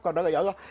kalau tidak ya allah